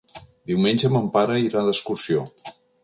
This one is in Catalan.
Diumenge mon pare irà d'excursió.